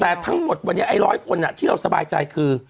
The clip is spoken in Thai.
แต่ทั้งหมดวันนี้ไอ้ร้อยคนที่เราสบายใจคือ